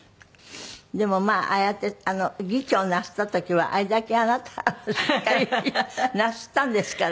でもまあああやって議長なすった時はあれだけあなたしっかりなすったんですから。